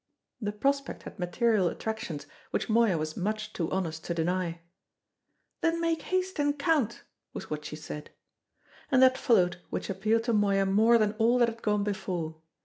The prospect had material attractions which Moya was much too honest to deny. "Then make haste and count!" was what she said. And that followed which appealed to Moya more than all that had gone before.